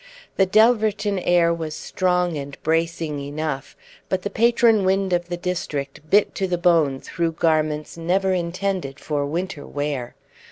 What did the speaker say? The Delverton air was strong and bracing enough, but the patron wind of the district bit to the bone through garments never intended for winter wear.